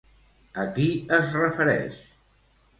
A qui es refereix?